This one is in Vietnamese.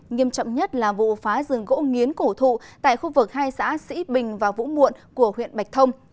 nghiêm trọng nhất là vụ phá rừng gỗ nghiến cổ thụ tại khu vực hai xã sĩ bình và vũ muộn của huyện bạch thông